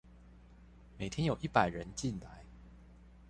每天有一百人進來